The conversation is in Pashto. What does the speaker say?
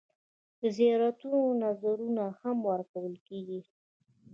د زیارتونو نذرونه هم ورکول کېږي.